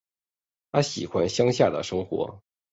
她喜欢乡下的生活